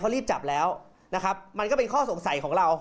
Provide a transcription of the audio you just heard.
รีบจับแล้วนะครับมันก็เป็นข้อสงสัยของเรา